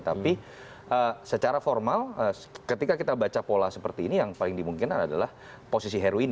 tapi secara formal ketika kita baca pola seperti ini yang paling dimungkinkan adalah posisi heru ini